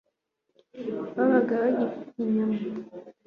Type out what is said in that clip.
babaga bagiteka inyama